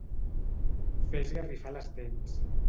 Fer esgarrifar les dents.